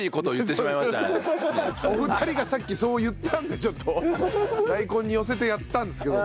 お二人がさっきそう言ったんでちょっと大根に寄せてやったんですけども。